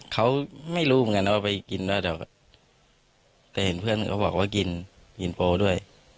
เขาไม่รู้เหมือนกันว่าไปกินแล้วแต่เห็นเพื่อนเขาบอกว่ากินอินโปด้วย